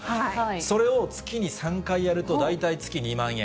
それを月に３回やると、大体、月２万円。